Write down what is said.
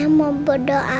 karena mau berdoa buat mama